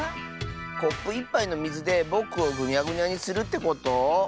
コップ１ぱいのみずでぼくをぐにゃぐにゃにするってこと？